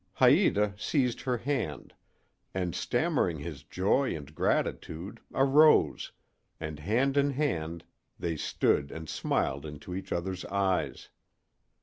Haïta seized her hand, and stammering his joy and gratitude arose, and hand in hand they stood and smiled into each other's eyes.